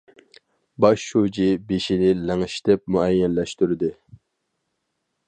باش شۇجى بېشىنى لىڭشىتىپ مۇئەييەنلەشتۈردى.